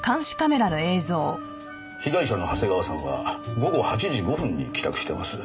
被害者の長谷川さんは午後８時５分に帰宅しています。